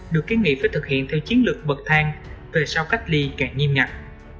được kiến nghị phải thực hiện theo chiến lược bật thang về sau cách ly càng nghiêm ngạc